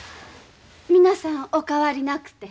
皆さんお変わりなくて。